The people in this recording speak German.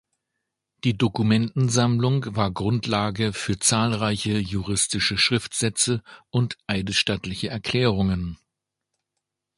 Die Dokumentensammlung war Grundlage für zahlreiche juristische Schriftsätze und eidesstattliche Erklärungen.